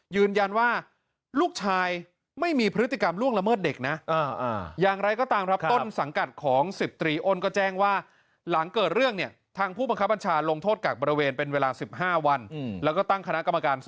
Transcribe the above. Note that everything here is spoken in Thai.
ยืนยันว่าลูกชายไม่มีพฤติกรรมล่วงละเมิดเด็กนะ